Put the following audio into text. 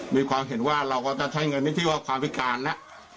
มีความเห็นว่าเราก็จะใช้เงินนิดที่ว่าความพิการแล้ว